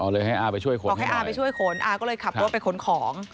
บอกให้อาไปช่วยขนอาก็เลยขับรถไปขนของ